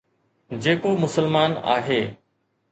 جيڪو مسلمان آهي.